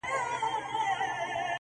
لڅ په خوب کرباس ويني